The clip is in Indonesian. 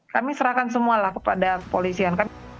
kami serahkan semua lah kepada kepolisian